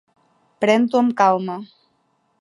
Pren-t'ho amb calma!